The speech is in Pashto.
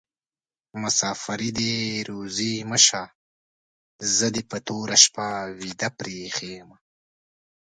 مسافري دي روزي مشه: زه دي په توره شپه ويده پریښي يمه